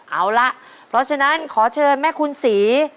เอาล่ะเพราะฉะนั้นขอเชิญแม่คุณศรี